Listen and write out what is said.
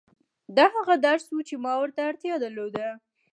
دا هغه درس و چې ما ورته اړتيا درلوده.